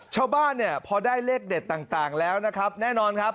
ชาวบ้านเนี่ยพอได้เลขเด็ดต่างแล้วนะครับแน่นอนครับ